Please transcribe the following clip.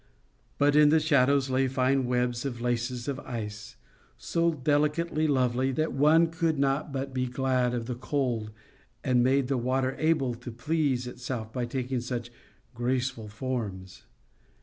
But in the shadows lay fine webs and laces of ice, so delicately lovely that one could not but be glad of the cold that made the water able to please itself by taking such graceful forms.